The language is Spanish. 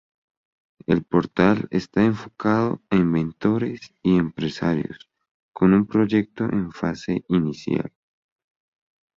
El portal está enfocado a inventores y empresarios con un proyecto en fase inicial.